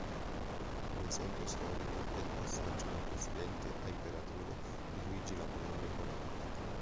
Un esempio storico è il passaggio da presidente a imperatore di Luigi Napoleone Bonaparte.